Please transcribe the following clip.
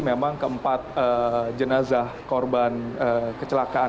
memang keempat jenazah korban kecelakaan